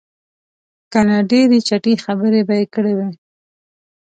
که نه ډېرې چټي خبرې به یې کړې وې.